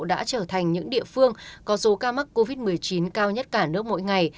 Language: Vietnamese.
đã trở thành những địa phương có số ca mắc covid một mươi chín cao nhất cả nước mỗi ngày